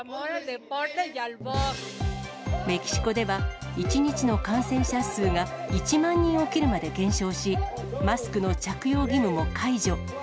メキシコでは、１日の感染者数が１万人を切るまで減少し、マスクの着用義務も解除。